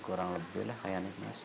kurang lebih lah kayak nih mas